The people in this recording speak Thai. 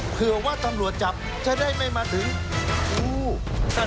ทุวิทย์ตีสากหน้า